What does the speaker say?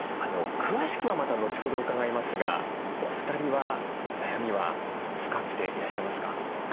詳しくはまた後ほど伺いますがお二人は悩みは深くていらっしゃいますか？